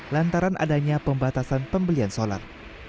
lantaran adanya pembatasan pembelian solar